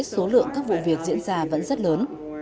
số lượng các vụ việc diễn ra vẫn rất lớn